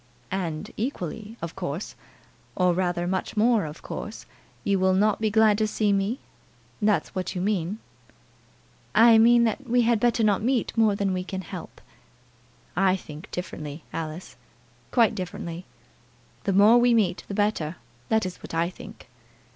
"And equally, of course! or, rather, much more of course, you will not be glad to see me? That's what you mean?" "I mean that we had better not meet more than we can help." "I think differently, Alice, quite differently. The more we meet the better, that is what I think.